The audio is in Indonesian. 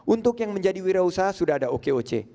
untuk yang menjadi wirausaha sudah ada okoc